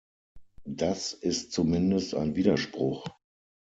Das ist zumindest ein Widerspruch.